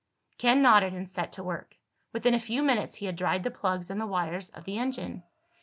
Ken nodded and set to work. Within a few minutes he had dried the plugs and the wires of the engine.